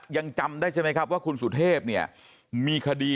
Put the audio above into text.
ยังจำได้ใช่มั้ยครับว่าคุณสุเทพมีคดี